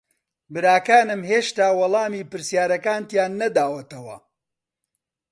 براکانم هێشتا وەڵامی پرسیارەکانتیان نەداوەتەوە.